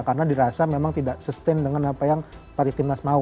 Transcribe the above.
karena dirasa memang tidak sustain dengan apa yang pak timnas mau